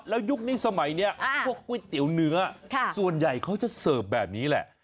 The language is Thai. แล้วยุคนี้สมัยนี้พวกก๋วยเตี๋ยวเนื้อส่วนใหญ่เขาจะเสิร์ฟแบบนี้แหละ